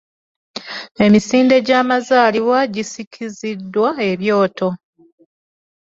Emisinde gy'amazaalibwa gisikiziddwa ebyoto